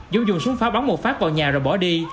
dú dùng súng pháo bắn một phát vào nhà rồi bỏ đi